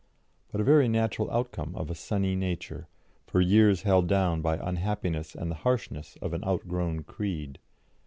But a very natural outcome of a sunny nature, for years held down by unhappiness and the harshness of an outgrown creed.